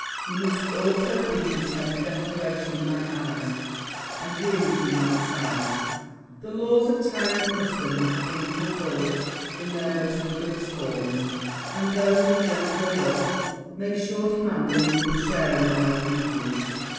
you must also read the tender declarations in my eyes, and hear it in my sighs. The laws of tyrant custom have been fulfilled in their most rigorous forms; and those of gentler love, may, sure, demand an equal share in our obedience.